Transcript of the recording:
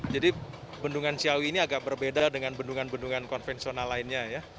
jadi bendungan ciawi ini agak berbeda dengan bendungan bendungan konvensional lainnya ya